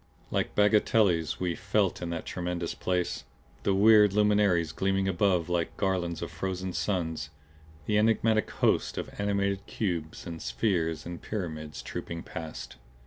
Like bagatelles we felt in that tremendous place, the weird luminaries gleaming above like garlands of frozen suns, the enigmatic hosts of animate cubes and spheres and pyramids trooping past.